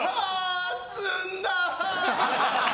つんだー！